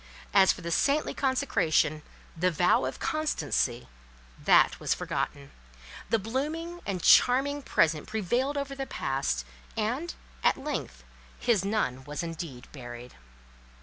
As for the saintly consecration, the vow of constancy, that was forgotten: the blooming and charming Present prevailed over the Past; and, at length, his nun was indeed buried.